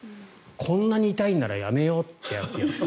こんなに痛いんならやめようってなった。